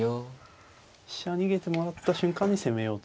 飛車逃げてもらった瞬間に攻めようということですね。